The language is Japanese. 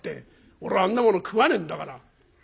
俺あんなもの食わねえんだから。